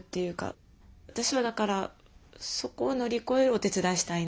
私はだからそこを乗り越えるお手伝いしたいなって思います。